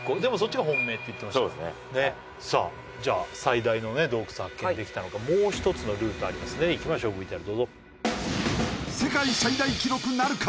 はいさあじゃあ最大の洞窟発見できたのかもう一つのルートありますねいきましょうＶＴＲどうぞ世界最大記録なるか？